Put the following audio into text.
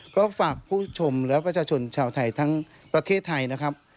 ก็ฝากผู้ชมและประชาชนชาวไทยทั้งประเทศไทยนะครับ